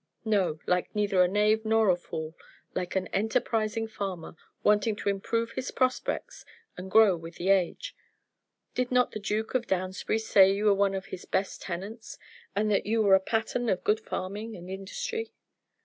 "No, like neither a knave nor a fool; like an enterprising farmer, wanting to improve his prospects and grow with the age. Did not the Duke of Downsbury say you were one of his best tenants, and that you were a pattern of good farming and industry?"